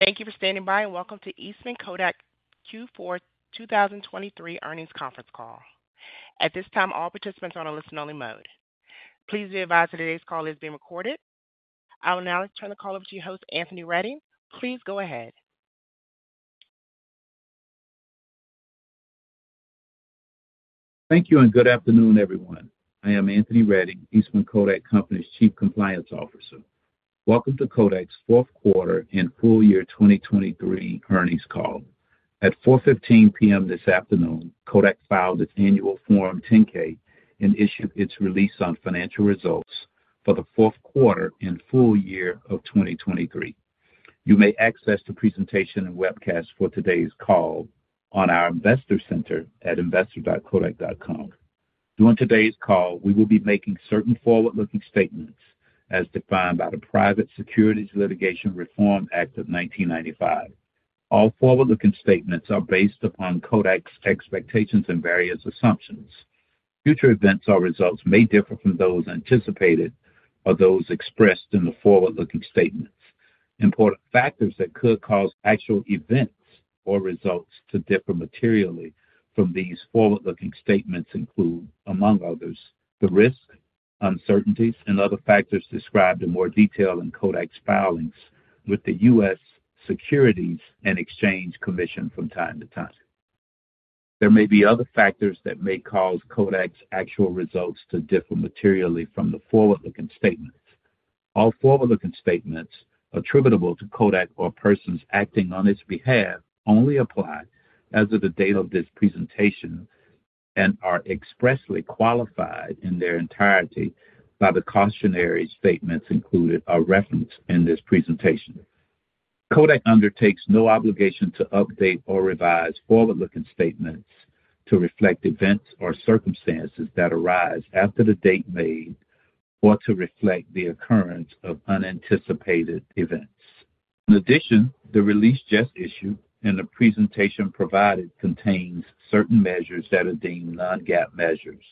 Thank you for standing by, and welcome to Eastman Kodak Q4 2023 earnings conference call. At this time, all participants are on a listen-only mode. Please be advised that today's call is being recorded. I will now turn the call over to your host, Anthony Redding. Please go ahead. Thank you and good afternoon, everyone. I am Anthony Redding, Eastman Kodak Company's Chief Compliance Officer. Welcome to Kodak's fourth quarter and full year 2023 earnings call. At 4:15 P.M. this afternoon, Kodak filed its annual Form 10-K and issued its release on financial results for the fourth quarter and full year of 2023. You may access the presentation and webcast for today's call on our investor center at investor.kodak.com. During today's call, we will be making certain forward-looking statements as defined by the Private Securities Litigation Reform Act of 1995. All forward-looking statements are based upon Kodak's expectations and various assumptions. Future events or results may differ from those anticipated or those expressed in the forward-looking statements. Important factors that could cause actual events or results to differ materially from these forward-looking statements include, among others, the risk, uncertainties, and other factors described in more detail in Kodak's filings with the U.S. Securities and Exchange Commission from time to time. There may be other factors that may cause Kodak's actual results to differ materially from the forward-looking statements. All forward-looking statements attributable to Kodak or persons acting on its behalf only apply as of the date of this presentation and are expressly qualified in their entirety by the cautionary statements included or referenced in this presentation. Kodak undertakes no obligation to update or revise forward-looking statements to reflect events or circumstances that arise after the date made or to reflect the occurrence of unanticipated events. In addition, the release just issued and the presentation provided contains certain measures that are deemed non-GAAP measures.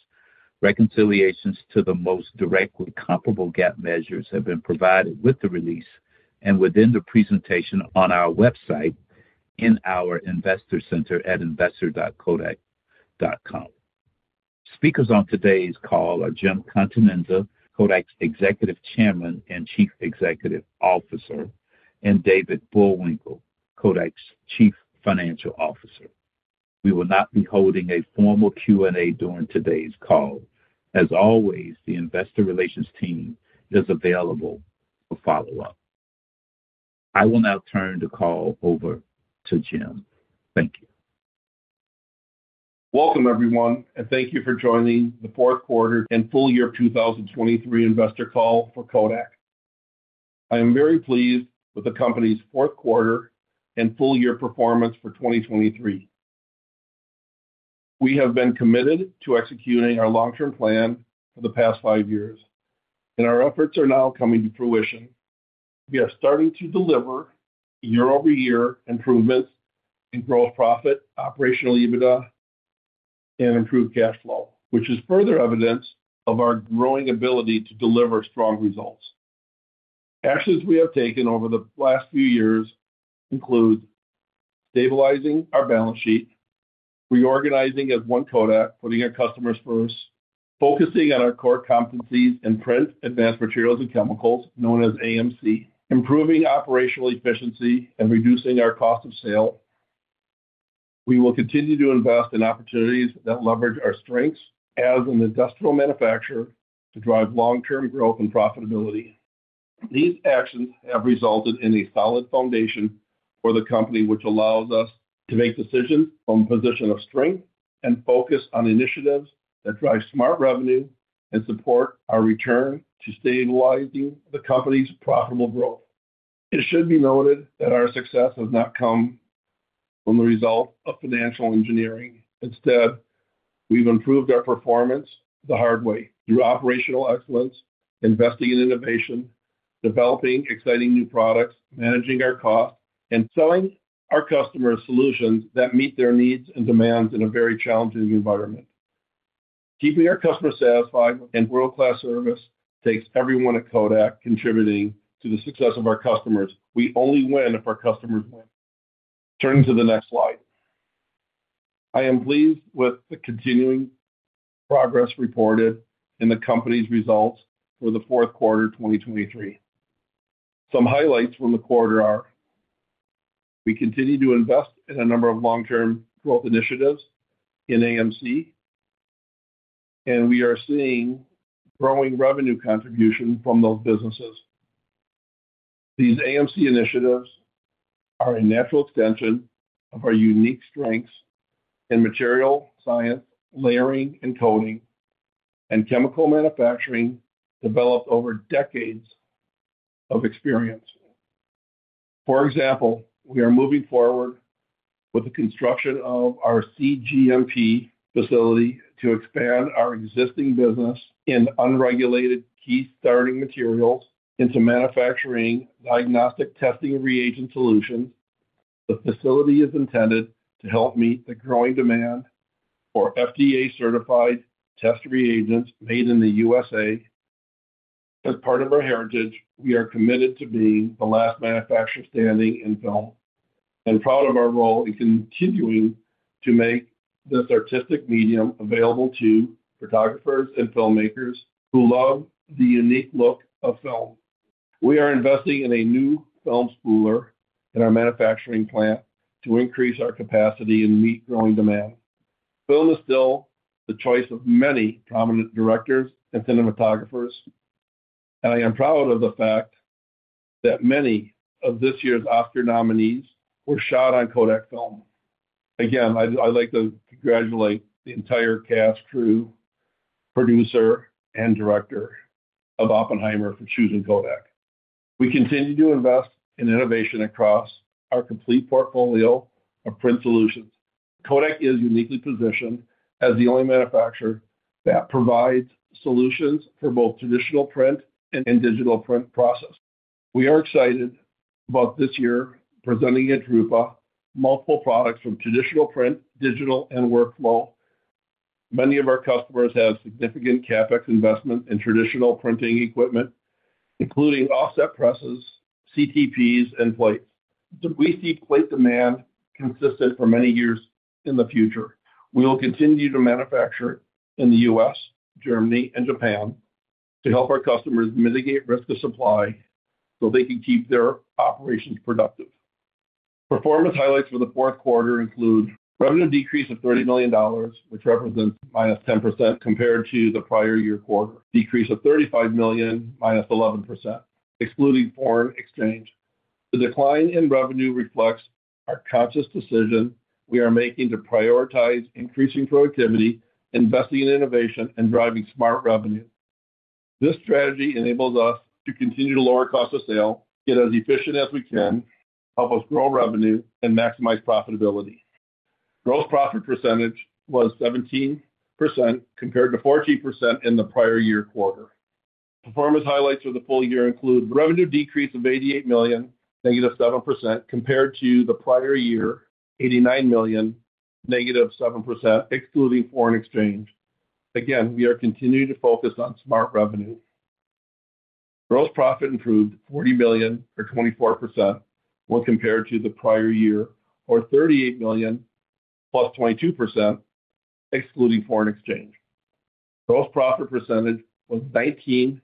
Reconciliations to the most directly comparable GAAP measures have been provided with the release and within the presentation on our website in our investor center at investor.kodak.com. Speakers on today's call are Jim Continenza, Kodak's Executive Chairman and Chief Executive Officer, and David Bullwinkle, Kodak's Chief Financial Officer. We will not be holding a formal Q&A during today's call. As always, the investor relations team is available for follow-up. I will now turn the call over to Jim. Thank you. Welcome, everyone, and thank you for joining the fourth quarter and full year 2023 investor call for Kodak. I am very pleased with the company's fourth quarter and full year performance for 2023. We have been committed to executing our long-term plan for the past five years, and our efforts are now coming to fruition. We are starting to deliver year-over-year improvements in gross profit, operational EBITDA, and improved cash flow, which is further evidence of our growing ability to deliver strong results. Actions we have taken over the last few years include stabilizing our balance sheet, reorganizing as One Kodak, putting our customers first, focusing on our core competencies in print, Advanced Materials and Chemicals, known as AMC, improving operational efficiency, and reducing our cost of sale. We will continue to invest in opportunities that leverage our strengths as an industrial manufacturer to drive long-term growth and profitability. These actions have resulted in a solid foundation for the company, which allows us to make decisions from a position of strength and focus on initiatives that drive smart revenue and support our return to stabilizing the company's profitable growth. It should be noted that our success has not come from the result of financial engineering. Instead, we've improved our performance the hard way through operational excellence, investing in innovation, developing exciting new products, managing our costs, and selling our customers solutions that meet their needs and demands in a very challenging environment. Keeping our customers satisfied and world-class service takes everyone at Kodak contributing to the success of our customers. We only win if our customers win. Turning to the next slide. I am pleased with the continuing progress reported in the company's results for the fourth quarter 2023. Some highlights from the quarter are: we continue to invest in a number of long-term growth initiatives in AMC, and we are seeing growing revenue contribution from those businesses. These AMC initiatives are a natural extension of our unique strengths in material science, layering and coating, and chemical manufacturing developed over decades of experience. For example, we are moving forward with the construction of our CGMP facility to expand our existing business in unregulated key starting materials into manufacturing diagnostic testing reagent solutions. The facility is intended to help meet the growing demand for FDA-certified test reagents made in the USA. As part of our heritage, we are committed to being the last manufacturer standing in film and proud of our role in continuing to make this artistic medium available to photographers and filmmakers who love the unique look of film. We are investing in a new film spooler in our manufacturing plant to increase our capacity and meet growing demand. Film is still the choice of many prominent directors and cinematographers, and I am proud of the fact that many of this year's Oscar nominees were shot on Kodak film. Again, I'd like to congratulate the entire cast, crew, producer, and director of Oppenheimer for choosing Kodak. We continue to invest in innovation across our complete portfolio of print solutions. Kodak is uniquely positioned as the only manufacturer that provides solutions for both traditional print and digital print processes. We are excited about this year presenting at drupa multiple products from traditional print, digital, and workflow. Many of our customers have significant CapEx investment in traditional printing equipment, including offset presses, CTPs, and plates. We see plate demand consistent for many years in the future. We will continue to manufacture in the U.S., Germany, and Japan to help our customers mitigate risk of supply so they can keep their operations productive. Performance highlights for the fourth quarter include: revenue decrease of $30 million, which represents -10% compared to the prior year quarter. Decrease of $35 million, -11%, excluding foreign exchange. The decline in revenue reflects our conscious decision we are making to prioritize increasing productivity, investing in innovation, and driving smart revenue. This strategy enables us to continue to lower cost of sale, get as efficient as we can, help us grow revenue, and maximize profitability. Gross profit percentage was 17% compared to 14% in the prior year quarter. Performance highlights for the full year include: revenue decrease of $88 million, -7% compared to the prior year. $89 million, -7%, excluding foreign exchange. Again, we are continuing to focus on smart revenue. Gross profit improved $40 million, or 24%, when compared to the prior year, or $38 million, plus 22%, excluding foreign exchange. Gross profit percentage was 19%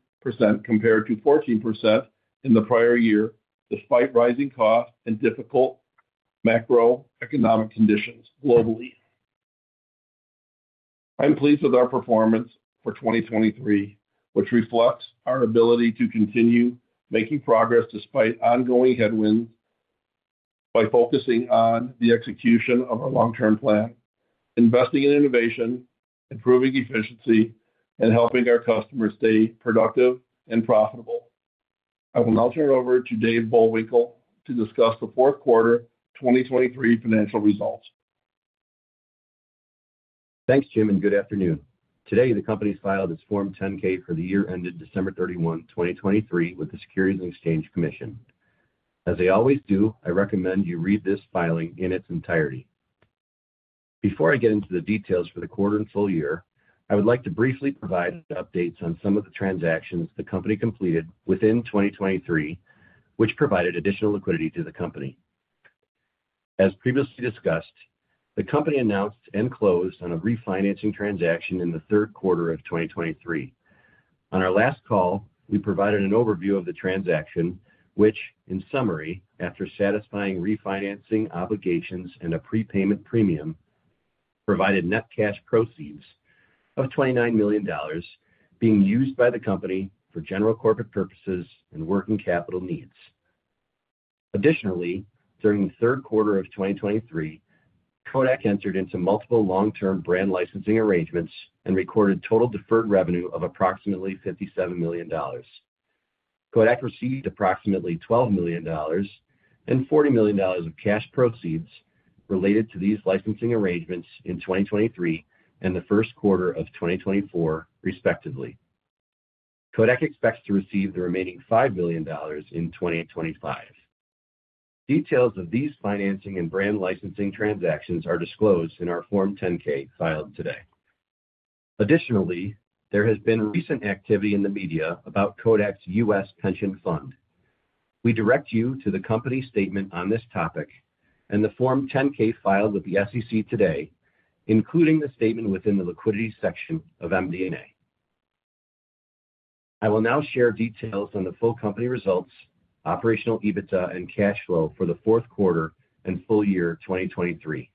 compared to 14% in the prior year despite rising costs and difficult macroeconomic conditions globally. I'm pleased with our performance for 2023, which reflects our ability to continue making progress despite ongoing headwinds by focusing on the execution of our long-term plan, investing in innovation, improving efficiency, and helping our customers stay productive and profitable. I will now turn it over to David Bullwinkle to discuss the fourth quarter 2023 financial results. Thanks, Jim, and good afternoon. Today, the company has filed its Form 10-K for the year ended December 31, 2023, with the Securities and Exchange Commission. As they always do, I recommend you read this filing in its entirety. Before I get into the details for the quarter and full year, I would like to briefly provide updates on some of the transactions the company completed within 2023, which provided additional liquidity to the company. As previously discussed, the company announced and closed on a refinancing transaction in the third quarter of 2023. On our last call, we provided an overview of the transaction, which, in summary, after satisfying refinancing obligations and a prepayment premium, provided net cash proceeds of $29 million being used by the company for general corporate purposes and working capital needs. Additionally, during the third quarter of 2023, Kodak entered into multiple long-term brand licensing arrangements and recorded total deferred revenue of approximately $57 million. Kodak received approximately $12 million and $40 million of cash proceeds related to these licensing arrangements in 2023 and the first quarter of 2024, respectively. Kodak expects to receive the remaining $5 million in 2025. Details of these financing and brand licensing transactions are disclosed in our Form 10-K filed today. Additionally, there has been recent activity in the media about Kodak's U.S. Pension Fund. We direct you to the company statement on this topic and the Form 10-K filed with the SEC today, including the statement within the liquidity section of MD&A. I will now share details on the full company results, operational EBITDA, and cash flow for the fourth quarter and full year 2023.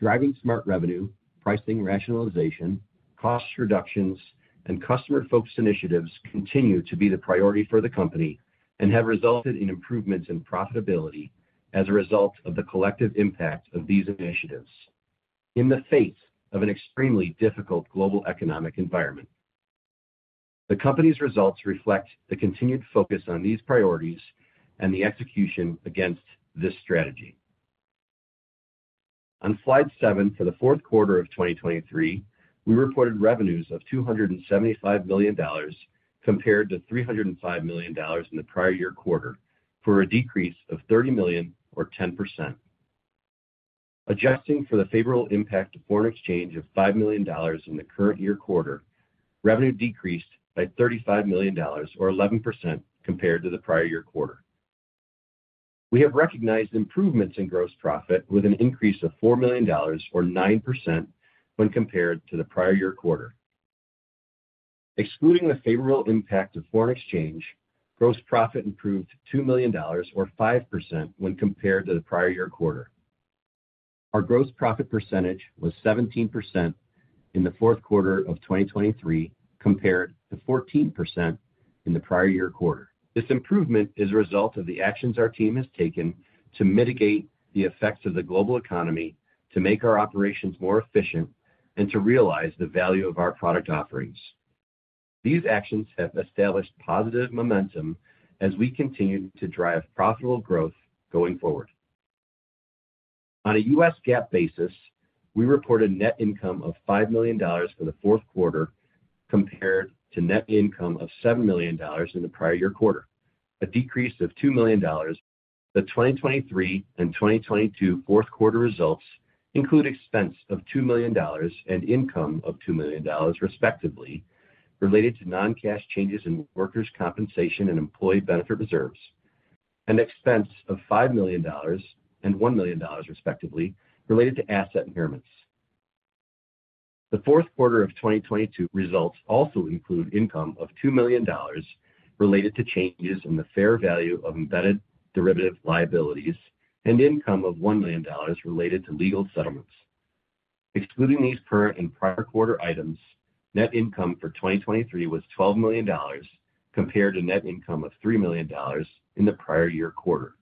Driving smart revenue, pricing rationalization, cost reductions, and customer-focused initiatives continue to be the priority for the company and have resulted in improvements in profitability as a result of the collective impact of these initiatives in the face of an extremely difficult global economic environment. The company's results reflect the continued focus on these priorities and the execution against this strategy. On slide 7 for the fourth quarter of 2023, we reported revenues of $275 million compared to $305 million in the prior year quarter for a decrease of $30 million, or 10%. Adjusting for the favorable impact of foreign exchange of $5 million in the current year quarter, revenue decreased by $35 million, or 11%, compared to the prior year quarter. We have recognized improvements in gross profit with an increase of $4 million, or 9%, when compared to the prior year quarter. Excluding the favorable impact of foreign exchange, gross profit improved $2 million, or 5%, when compared to the prior year quarter. Our gross profit percentage was 17% in the fourth quarter of 2023 compared to 14% in the prior year quarter. This improvement is a result of the actions our team has taken to mitigate the effects of the global economy, to make our operations more efficient, and to realize the value of our product offerings. These actions have established positive momentum as we continue to drive profitable growth going forward. On a U.S. GAAP basis, we report a net income of $5 million for the fourth quarter compared to net income of $7 million in the prior year quarter, a decrease of $2 million. The 2023 and 2022 fourth quarter results include expense of $2 million and income of $2 million, respectively, related to non-cash changes in workers' compensation and employee benefit reserves, and expense of $5 million and $1 million, respectively, related to asset impairments. The fourth quarter of 2022 results also include income of $2 million related to changes in the fair value of embedded derivative liabilities and income of $1 million related to legal settlements. Excluding these current and prior quarter items, net income for 2023 was $12 million compared to net income of $3 million in the prior year quarter,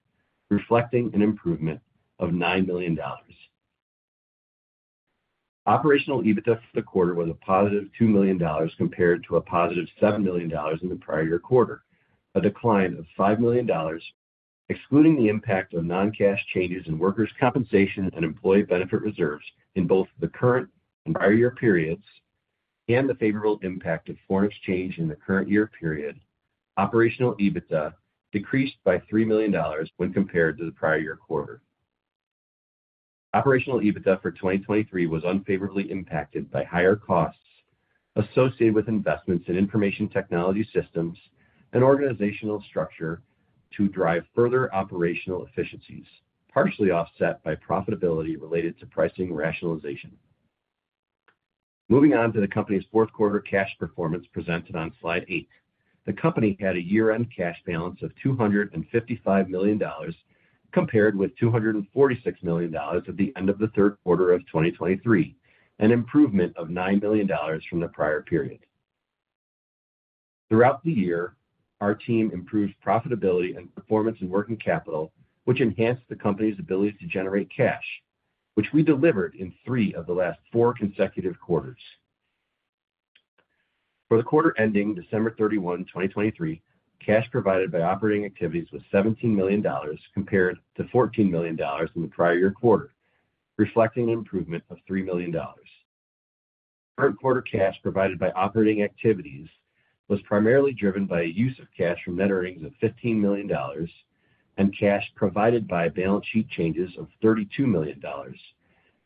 reflecting an improvement of $9 million. Operational EBITDA for the quarter was a positive $2 million compared to a positive $7 million in the prior year quarter, a decline of $5 million. Excluding the impact of non-cash changes in workers' compensation and employee benefit reserves in both the current and prior year periods and the favorable impact of foreign exchange in the current year period, operational EBITDA decreased by $3 million when compared to the prior year quarter. Operational EBITDA for 2023 was unfavorably impacted by higher costs associated with investments in information technology systems and organizational structure to drive further operational efficiencies, partially offset by profitability related to pricing rationalization. Moving on to the company's fourth quarter cash performance presented on slide 8, the company had a year-end cash balance of $255 million compared with $246 million at the end of the third quarter of 2023, an improvement of $9 million from the prior period. Throughout the year, our team improved profitability and performance in working capital, which enhanced the company's ability to generate cash, which we delivered in three of the last four consecutive quarters. For the quarter ending December 31, 2023, cash provided by operating activities was $17 million compared to $14 million in the prior year quarter, reflecting an improvement of $3 million. Current quarter cash provided by operating activities was primarily driven by a use of cash from net earnings of $15 million and cash provided by balance sheet changes of $32 million,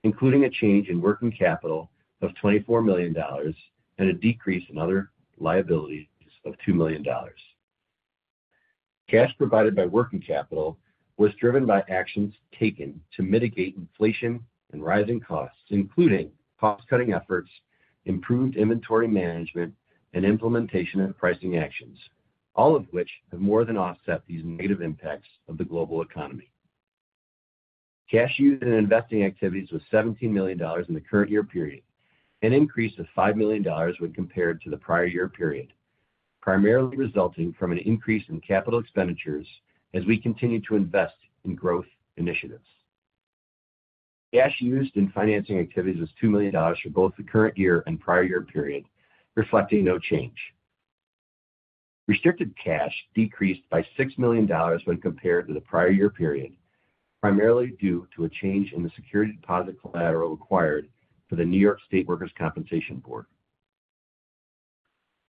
including a change in working capital of $24 million and a decrease in other liabilities of $2 million. Cash provided by working capital was driven by actions taken to mitigate inflation and rising costs, including cost-cutting efforts, improved inventory management, and implementation of pricing actions, all of which have more than offset these negative impacts of the global economy. Cash used in investing activities was $17 million in the current year period, an increase of $5 million when compared to the prior year period, primarily resulting from an increase in capital expenditures as we continue to invest in growth initiatives. Cash used in financing activities was $2 million for both the current year and prior year period, reflecting no change. Restricted cash decreased by $6 million when compared to the prior year period, primarily due to a change in the security deposit collateral required for the New York State Workers' Compensation Board.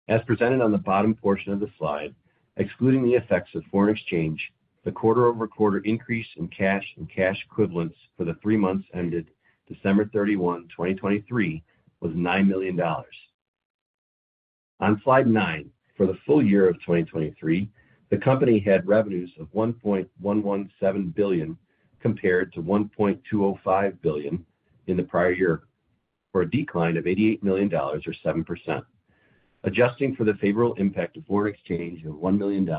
As presented on the bottom portion of the slide, excluding the effects of foreign exchange, the quarter-over-quarter increase in cash and cash equivalents for the three months ended December 31, 2023, was $9 million. On slide 9 for the full year of 2023, the company had revenues of $1.117 billion compared to $1.205 billion in the prior year, for a decline of $88 million, or 7%. Adjusting for the favorable impact of foreign exchange of $1 million,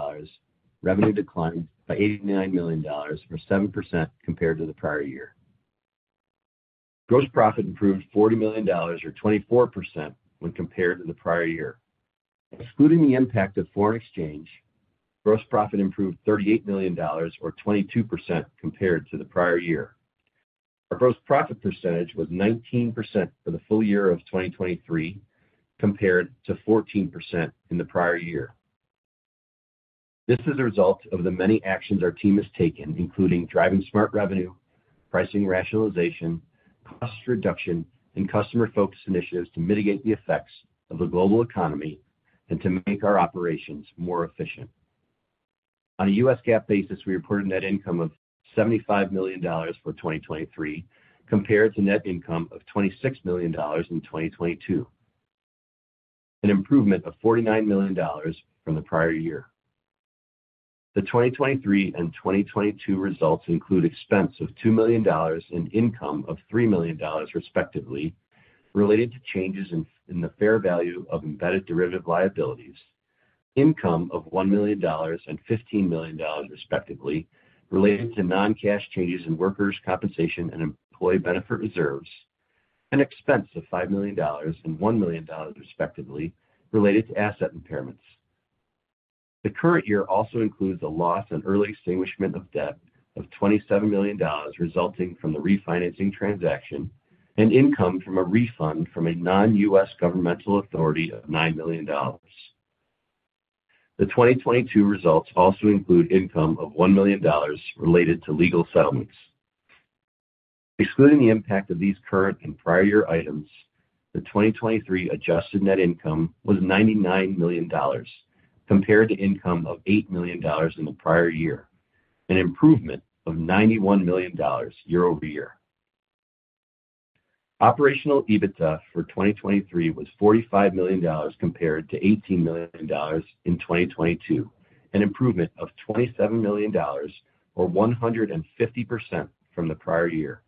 revenue declined by $89 million, or 7%, compared to the prior year. Gross profit improved $40 million, or 24%, when compared to the prior year. Excluding the impact of foreign exchange, gross profit improved $38 million, or 22%, compared to the prior year. Our gross profit percentage was 19% for the full year of 2023 compared to 14% in the prior year. This is a result of the many actions our team has taken, including driving smart revenue, pricing rationalization, cost reduction, and customer-focused initiatives to mitigate the effects of the global economy and to make our operations more efficient. On a U.S. GAAP basis, we reported net income of $75 million for 2023 compared to net income of $26 million in 2022, an improvement of $49 million from the prior year. The 2023 and 2022 results include expense of $2 million and income of $3 million, respectively, related to changes in the fair value of embedded derivative liabilities, income of $1 million and $15 million, respectively, related to non-cash changes in workers' compensation and employee benefit reserves, and expense of $5 million and $1 million, respectively, related to asset impairments. The current year also includes a loss and early extinguishment of debt of $27 million resulting from the refinancing transaction and income from a refund from a non-U.S. governmental authority of $9 million. The 2022 results also include income of $1 million related to legal settlements. Excluding the impact of these current and prior year items, the 2023 adjusted net income was $99 million compared to income of $8 million in the prior year, an improvement of $91 million year-over-year. Operational EBITDA for 2023 was $45 million compared to $18 million in 2022, an improvement of $27 million, or 150%, from the prior year.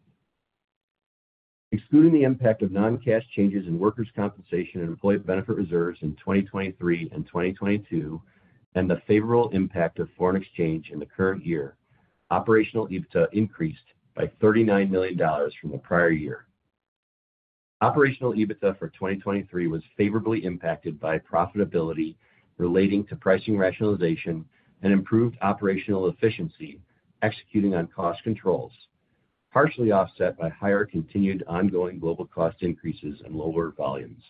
Excluding the impact of non-cash changes in workers' compensation and employee benefit reserves in 2023 and 2022 and the favorable impact of foreign exchange in the current year, operational EBITDA increased by $39 million from the prior year. Operational EBITDA for 2023 was favorably impacted by profitability relating to pricing rationalization and improved operational efficiency executing on cost controls, partially offset by higher continued ongoing global cost increases and lower volumes.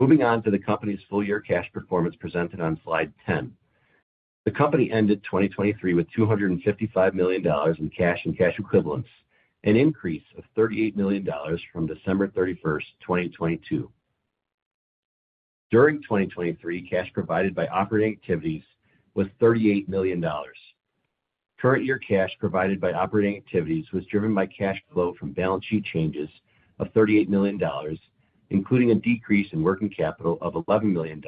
Moving on to the company's full year cash performance presented on slide 10, the company ended 2023 with $255 million in cash and cash equivalents, an increase of $38 million from December 31, 2022. During 2023, cash provided by operating activities was $38 million. Current year cash provided by operating activities was driven by cash flow from balance sheet changes of $38 million, including a decrease in working capital of $11 million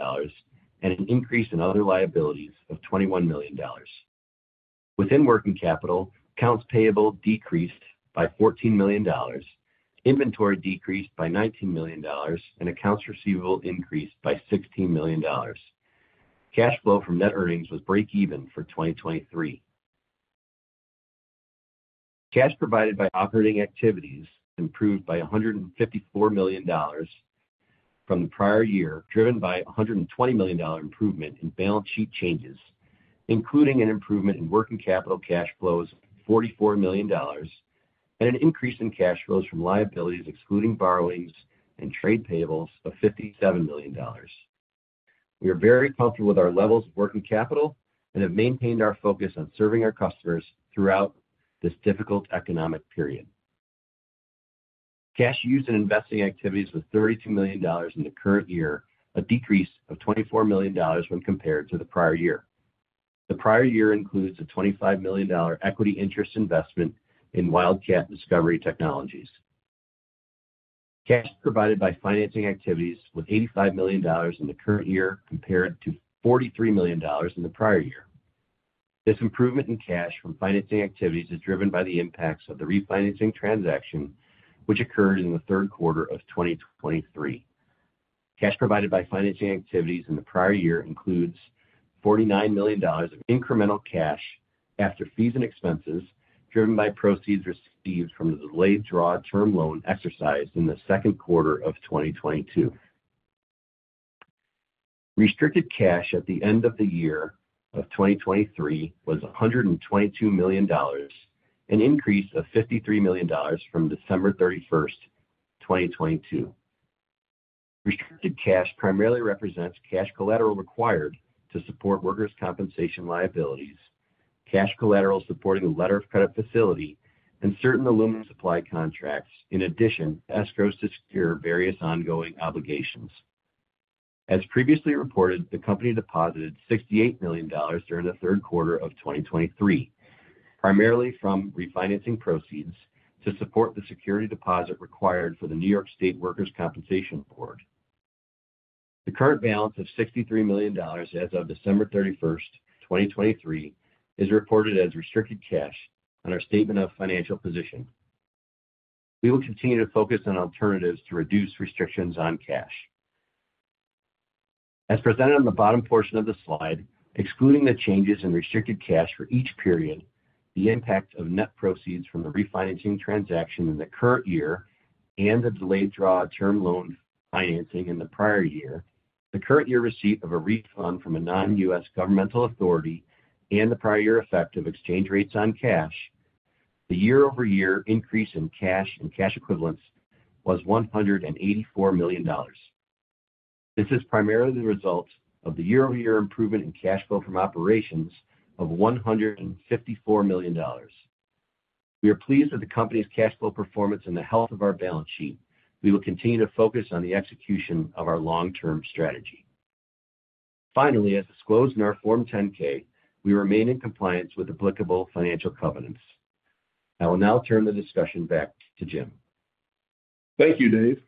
and an increase in other liabilities of $21 million. Within working capital, accounts payable decreased by $14 million, inventory decreased by $19 million, and accounts receivable increased by $16 million. Cash flow from net earnings was break-even for 2023. Cash provided by operating activities improved by $154 million from the prior year, driven by a $120 million improvement in balance sheet changes, including an improvement in working capital cash flows of $44 million and an increase in cash flows from liabilities excluding borrowings and trade payables of $57 million. We are very comfortable with our levels of working capital and have maintained our focus on serving our customers throughout this difficult economic period. Cash used in investing activities was $32 million in the current year, a decrease of $24 million when compared to the prior year. The prior year includes a $25 million equity interest investment in Wildcat Discovery Technologies. Cash provided by financing activities was $85 million in the current year compared to $43 million in the prior year. This improvement in cash from financing activities is driven by the impacts of the refinancing transaction, which occurred in the third quarter of 2023. Cash provided by financing activities in the prior year includes $49 million of incremental cash after fees and expenses driven by proceeds received from the delayed draw term loan exercise in the second quarter of 2022. Restricted cash at the end of the year of 2023 was $122 million, an increase of $53 million from December 31, 2022. Restricted cash primarily represents cash collateral required to support workers' compensation liabilities, cash collateral supporting a letter of credit facility, and certain aluminum supply contracts, in addition to escrows to secure various ongoing obligations. As previously reported, the company deposited $68 million during the third quarter of 2023, primarily from refinancing proceeds to support the security deposit required for the New York State Workers' Compensation Board. The current balance of $63 million as of December 31, 2023, is reported as restricted cash on our statement of financial position. We will continue to focus on alternatives to reduce restrictions on cash. As presented on the bottom portion of the slide, excluding the changes in restricted cash for each period, the impact of net proceeds from the refinancing transaction in the current year and the delayed draw term loan financing in the prior year, the current year receipt of a refund from a non-U.S. governmental authority, and the prior year effect of exchange rates on cash, the year-over-year increase in cash and cash equivalents was $184 million. This is primarily the result of the year-over-year improvement in cash flow from operations of $154 million. We are pleased with the company's cash flow performance and the health of our balance sheet. We will continue to focus on the execution of our long-term strategy. Finally, as disclosed in our Form 10-K, we remain in compliance with applicable financial covenants. I will now turn the discussion back to Jim. Thank you, Dave.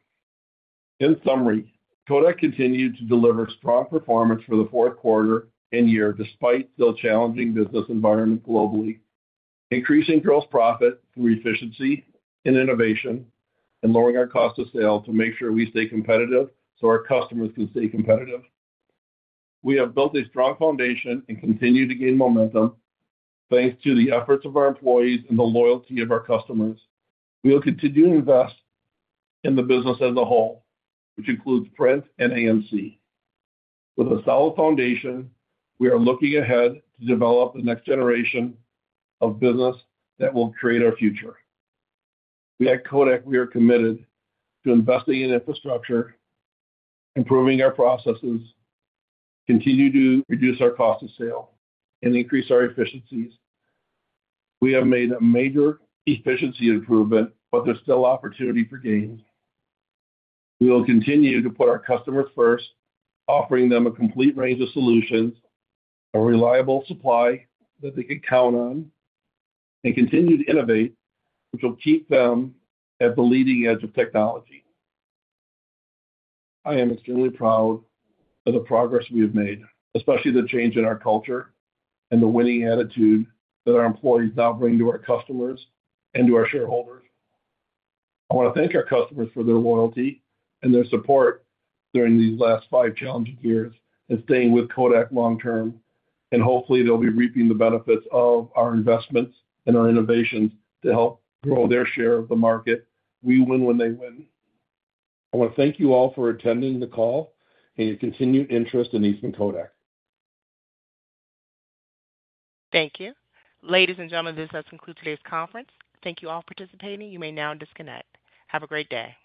In summary, Kodak continued to deliver strong performance for the fourth quarter and year despite still challenging business environment globally, increasing gross profit through efficiency and innovation, and lowering our cost of sale to make sure we stay competitive so our customers can stay competitive. We have built a strong foundation and continue to gain momentum thanks to the efforts of our employees and the loyalty of our customers. We will continue to invest in the business as a whole, which includes Print and AMC. With a solid foundation, we are looking ahead to develop the next generation of business that will create our future. We at Kodak, we are committed to investing in infrastructure, improving our processes, continue to reduce our cost of sale, and increase our efficiencies. We have made a major efficiency improvement, but there's still opportunity for gains. We will continue to put our customers first, offering them a complete range of solutions, a reliable supply that they can count on, and continue to innovate, which will keep them at the leading edge of technology. I am extremely proud of the progress we have made, especially the change in our culture and the winning attitude that our employees now bring to our customers and to our shareholders. I want to thank our customers for their loyalty and their support during these last five challenging years and staying with Kodak long term. Hopefully, they'll be reaping the benefits of our investments and our innovations to help grow their share of the market. We win when they win. I want to thank you all for attending the call and your continued interest in Eastman Kodak. Thank you. Ladies and gentlemen, this does conclude today's conference. Thank you all for participating. You may now disconnect. Have a great day.